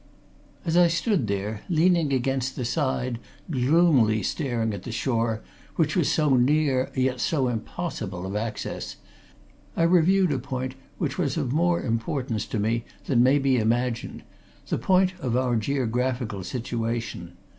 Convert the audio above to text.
As I stood there, leaning against the side, gloomily staring at the shore, which was so near, and yet so impossible of access, I reviewed a point which was of more importance to me than may be imagined the point of our geographical situation.